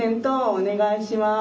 お願いします。